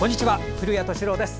古谷敏郎です。